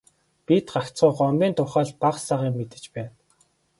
Бид гагцхүү Гомбын тухай л бага сага юм мэдэж байна.